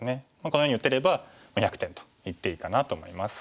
このように打てれば１００点といっていいかなと思います。